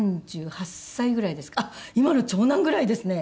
あっ今の長男ぐらいですね。